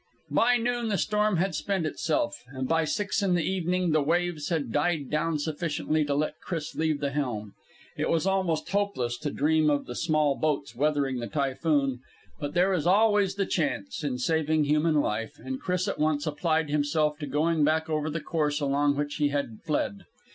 By noon the storm had spent itself, and by six in the evening the waves had died down sufficiently to let Chris leave the helm. It was almost hopeless to dream of the small boats weathering the typhoon, but there is always the chance in saving human life, and Chris at once applied himself to going back over the course along which he had fled.